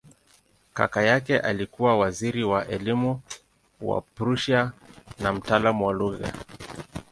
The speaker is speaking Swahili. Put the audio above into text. Kaka yake alikuwa waziri wa elimu wa Prussia na mtaalamu wa lugha.